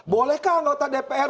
bolehkah anggota dpr